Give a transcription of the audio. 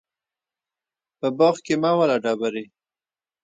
په باغ کې مه وله ډبري